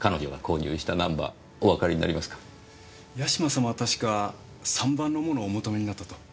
八島様は確か３番のものをお求めになったと。